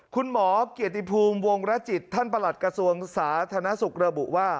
คุณหมอเกียรติภูมิวงรจิตท่านประหลัดกระทรวงสาธารณสุขระบุว่า